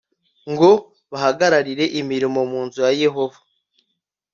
ngo bahagararire imirimo mu nzu ya yehova